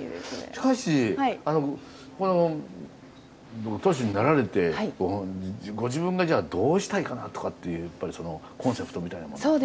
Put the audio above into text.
しかしここのご当主になられてご自分がどうしたいかなとかっていうコンセプトみたいなものが。